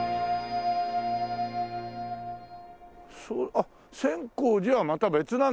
あっ千光寺はまた別なんだな。